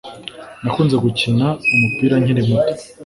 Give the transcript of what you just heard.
Nakunze gukina umupira nkiri muto